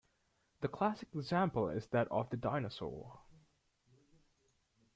The classic example is that of the dinosaurs.